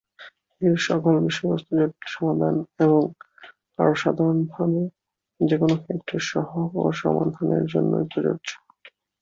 এর সকল বিষয়বস্তু জটিল সমাধান, এবং আরও সাধারণভাবে, যেকোন ক্ষেত্রের সহগ ও সমাধানের জন্যই প্রযোজ্য।